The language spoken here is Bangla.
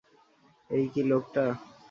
এই কি লোকটা?